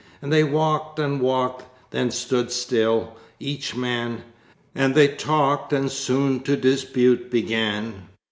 And they walked and walked, then stood still, each man, And they talked and soon to dispute began!